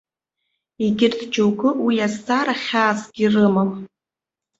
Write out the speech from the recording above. Егьырҭ џьоукы уи азҵаара хьаасгьы ирымам.